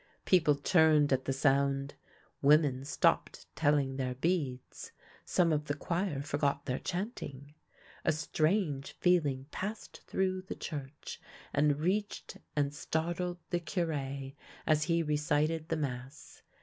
People turned at the sound, women stopped telling their beads, some of the choir forgot their chanting. A strange feeling passed through the church, and reached and startled the Cure as he re cited the mass.